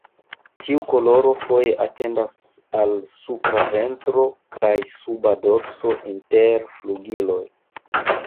Tiu koloro foje etendas al supra ventro kaj suba dorso, inter flugiloj.